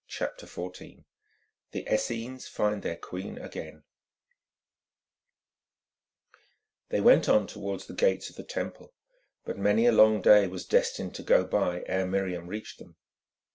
CHAPTER XIV THE ESSENES FIND THEIR QUEEN AGAIN They went on towards the gates of the Temple, but many a long day was destined to go by ere Miriam reached them.